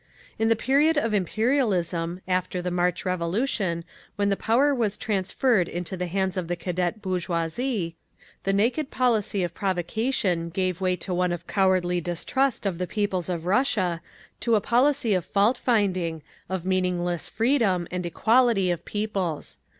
In the period of imperialism, after the March revolution, when the power was transferred into the hands of the Cadet bourgeoisie, the naked policy of provocation gave way to one of cowardly distrust of the peoples of Russia, to a policy of fault finding, of meaningless "freedom" and "equality" of peoples.